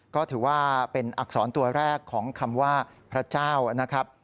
ก็ถือว่าเป็นอักษรตัวแรกของคำว่าพระเจ้านะครับ